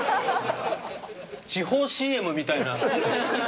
地方ＣＭみたいな。